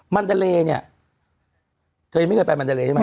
มันเดอเลเนี่ยเธอยังไม่เคยไปมันเดเลใช่ไหม